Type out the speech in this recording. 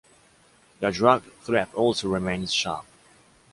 The drug threat also remains sharp.